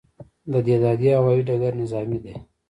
د دهدادي هوايي ډګر نظامي دی